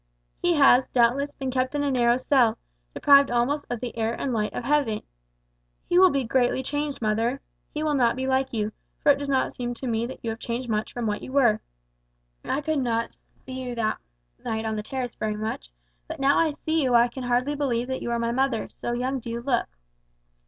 He has, doubtless, been kept in a narrow cell, deprived almost of the air and light of heaven. He will be greatly changed, mother. He will not be like you; for it does not seem to me that you have changed much from what you were. I could not see you much that night on the terrace; but now I see you I can hardly believe that you are my mother, so young do you look."